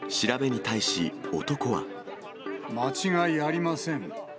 間違いありません。